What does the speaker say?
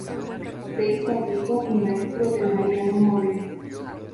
Se hizo amigo y maestro de Mariano Moreno.